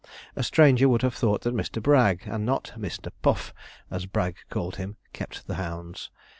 A stranger would have thought that Mr. Bragg, and not 'Mr. Puff,' as Bragg called him, kept the hounds.